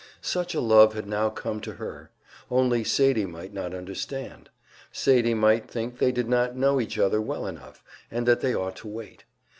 Such a love had now come to her; only Sadie might not understand, Sadie might think they did not know each other well enough, and that they ought to wait.